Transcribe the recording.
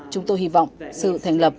chúng tôi hy vọng sự thành lập